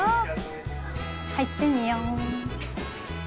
入ってみよう。